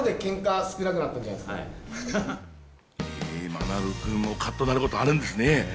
まなぶ君もカッとなることあるんですね。